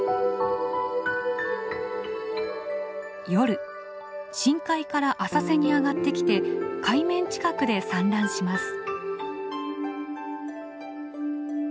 夜深海から浅瀬に上がってきて海面近くで産卵します。